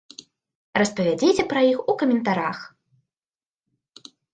Распавядзіце пра іх у каментарах!